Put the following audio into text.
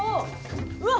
うわっ